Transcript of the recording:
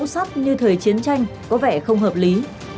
những hình ảnh hóa như thời chiến tranh có vẻ không hợp lý